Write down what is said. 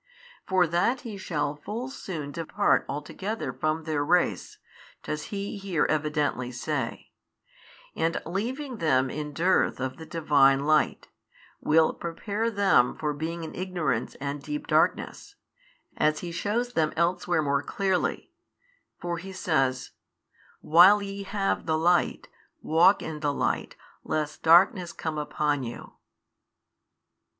For that He shall full soon depart altogether from their race, does He here evidently say; and leaving them in dearth of the Divine Light, will prepare them for being in ignorance and deep darkness, as He shews them elsewhere more clearly: for He says, While ye have the Light, walk in the light lest darkness come upon you.